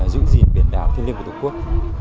giữ gìn biển đảo thiên liên quân tổ quốc